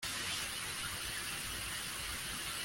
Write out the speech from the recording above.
wogoshe umusatsi wawe wose